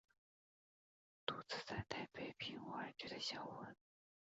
独自在台北赁屋而居的小文。